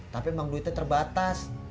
tapi emang duitnya terbatas